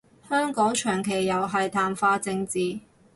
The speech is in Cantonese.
香港長期又係淡化政治